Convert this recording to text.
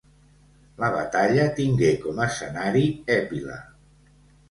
La batalla tingué com escenari Épila.